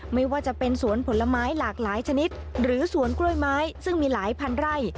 ไม่ว่าจะเป็นสวนผลไม้หลากหลายชนิดหรือสวนกล้วยไม้ซึ่งมีหลายพันไร่